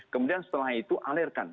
kemudian setelah itu alirkan